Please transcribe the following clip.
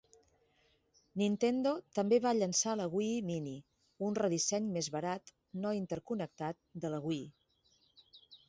Nintendo també va llançar la Wii Mini, un redisseny més barat, no interconnectat, de la Wii.